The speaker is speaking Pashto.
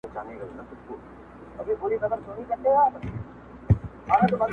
لکه سايه راپورې ـ پورې مه ځه_